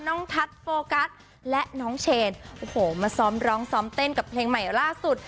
ทัศน์โฟกัสและน้องเชนโอ้โหมาซ้อมร้องซ้อมเต้นกับเพลงใหม่ล่าสุด